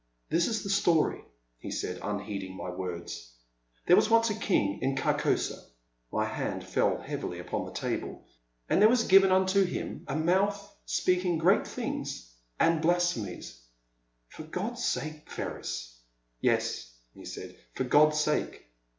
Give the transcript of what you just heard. This is the story," he said, unheeding my words. There was once a King in Carcosa —" My hand fell heavily upon the table. And there was given unto him a mouth speaking great things and blasphemies "For God's sake, Ferris "Yes," he said, *' for God's sake."